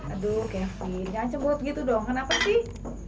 aduh kevin jangan cemburu begitu dong kenapa sih